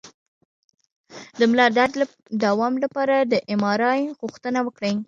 د ملا درد د دوام لپاره د ایم آر آی غوښتنه وکړئ